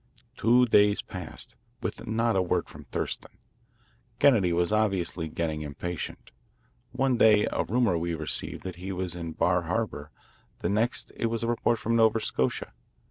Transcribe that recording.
Two days passed with not a word from Thurston. Kennedy was obviously getting impatient. One day a rumour was received that he was in Bar Harbour; the next it was a report from Nova Scotia.